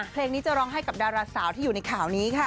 เพลงนี้จะร้องให้กับดาราสาวที่อยู่ในข่าวนี้ค่ะ